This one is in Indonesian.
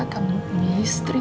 kamu punya istri